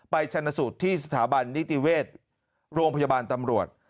ชนสูตรที่สถาบันนิติเวชโรงพยาบาลตำรวจ